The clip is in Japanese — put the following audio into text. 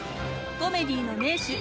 コメディーの名手根本